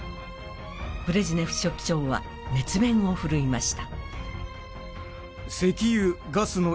ブレジネフ書記長は熱弁を振るいました。